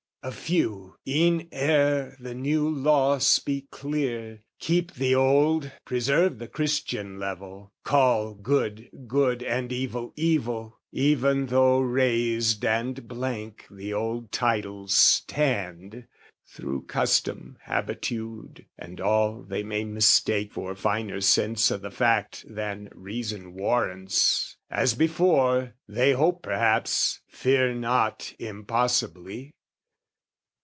A few, E'en ere the new law speak clear, keep the old, Preserve the Christian level, call good good And evil evil (even though razed and blank The old titles stand), thro' custom, habitude, And all they may mistake for finer sense O' the fact than reason warrants, as before, They hope perhaps, fear not impossibly.